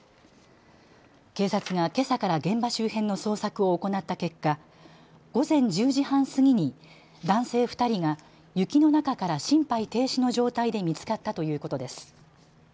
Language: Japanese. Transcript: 警察がけさから現場周辺の捜索を行った結果、午前１０時半過ぎに男性２人が雪の中から心肺停止の状態で見つかったということです。